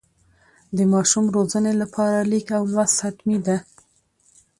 د ماشوم روزنې لپاره لیک او لوست حتمي ده.